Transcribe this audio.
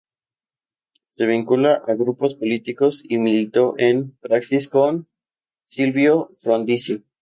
Se vinculó a grupos políticos y militó en Praxis con Silvio Frondizi.